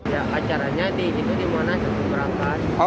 ya acaranya di titik dimana satu berapaan